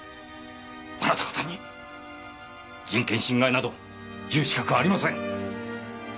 あなた方に人権侵害など言う資格はありません。